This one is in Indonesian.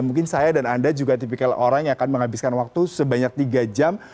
mungkin saya dan anda juga tipikal orang yang akan menghabiskan waktu sebanyak tiga jam